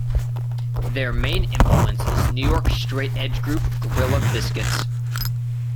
Their main influence is New York straight edge group Gorilla Biscuits.